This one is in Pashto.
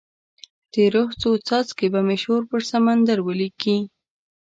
د روح څو څاڅکي به مې شور پر سمندر ولیکې